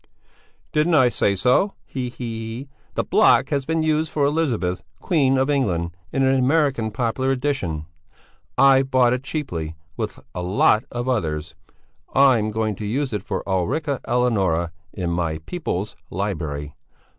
"Didn't I say so? Hihihi! The block has been used for Elizabeth, Queen of England, in an American popular edition. I've bought it cheaply, with a lot of others. I'm going to use it for Ulrica Eleonora in my People's Library.